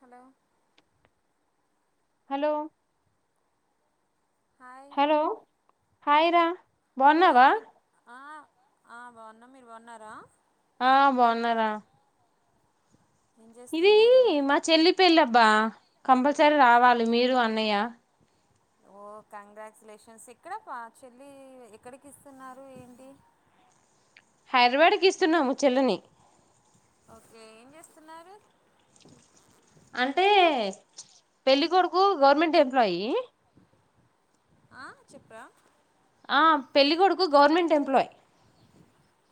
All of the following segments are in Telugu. హలో హలో హాయ్ హలో హయిరా హలో విన్ ఆ ఆ బాగున్నా మీరు బాగున్నారా ఆ బాగున్నారా ఏం ఇది చేస్తున్నారు మా చెల్లి పెళ్ళ అబ్బా కంపల్సరీ రావాలి మీరు అన్నయ ఓ కంగ్రాచ్యులేషన్స్ ఇక్కడ పా చెల్లి ఎక్కడికి ఇస్తున్నారు ఏంటి హైదరాబాద్కి ఇస్తున్నాము చెల్లెని ఓకే ఏం చేస్తున్నారు అంటే పెళ్ళికడుకు గవర్నమెంట్ ఎంప్లాయి ఆ చెప్ప పెళ్ళగూడుకు గవర్నమెంట్ ఎంప్లాయ్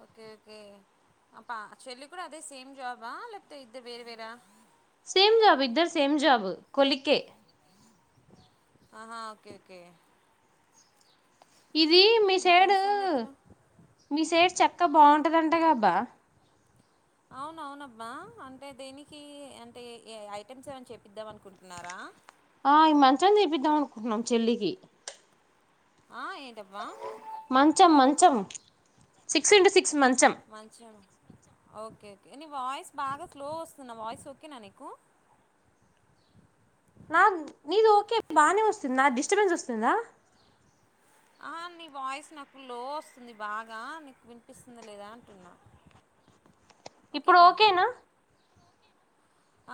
అ చెల్లి కూడా అదే సేమ్ జాబ లేపో ఇద్ద వేరూ వేరా సేమ్ జాబ్ ఇద్దరు సేమ్ జాబ కొలిికే ఆహా ఓకే ఓకే ఇది మీ ఇంకేంటి సైడు సంగతులు మీ సైడ్ చక్క బాగుంట అంటాగా బ అవున అవునబ్మా అంటే దేనికి అంటే ఏ ఐటెమ్స్ ఏమైనా చెపిద్దాం అనుకో ఆ ఇ మంచ తీపి తంటాం అనుకుంటున్నాం చెల్లికి ఆ, ఏంటబ్బా మంచం మంచం సిక్స్ ఇంటూ సిక్స్ మంత్స్ మంచి ఓకే ఓకే నీ వాయిస్ బాగా స్లో వస్తుంది నా వాయిస్ ఓకేనా నీకు నా నీది ఓకే బాగానే వస్తుంది నా డిస్టర్బెన్స్ వస్తుందా నీ వాయిస్ నాకు లో వస్తుంది బాగా నీకు వినిపిస్తుందిా లేదా అంటున్నా ఇప్పుడు ఓకేగా ఓకేనా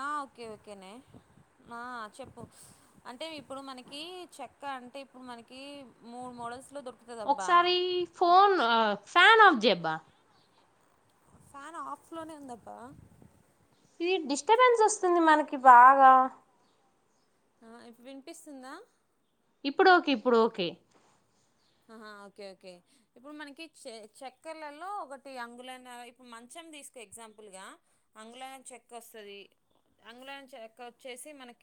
ఆ ఓకే ఓకేనే ఆ చెప్పు అంటే ఇప్పుడు మనకి చెక్క అంటే ఇప్పుడు మనకి మూడు మోడల్స్ ఒకసారి ఫోన్ ఫ్యాన్ ఆఫ్ జెబ్ బ ఫ్యాన్ ఆఫ్ లోనే ఉందప్ప ఇది డిస్టబెన్స్ వస్తుంది మనకి బాగా ఆ వినిపిస్తుందా ఇప్పుడు ఓకే ఇప్పుడు ఓకే ఆహా ఓకే ఓకే ఇప్పుడు మనకి చెక్కెలలో ఒకటి అంగులైన ఇప్పుడు మంచం తీసుకు ఎగ్జాంపుల్ గా అంగులైన చెక్క వస్తుది అంగులైన చెక్క వచ్చేసి మనకి